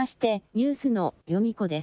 ニュースのヨミ子です。